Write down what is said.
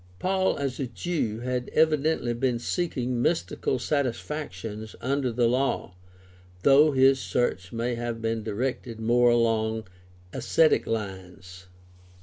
Paul as a Jew had evidently been seeking mystical satisfactions under the law, though his search may have been directed more along ascetic lines (cf.